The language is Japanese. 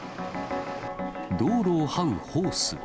道路をはうホース。